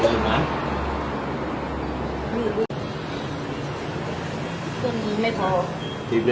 มันจะเจ็บไง